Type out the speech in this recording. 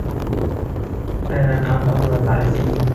แต่ดันเอาตำรวจหลายสิ